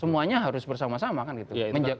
semuanya harus bersama sama kan gitu